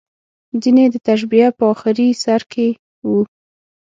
ځینې یې د تشبیه په اخري سر کې وو.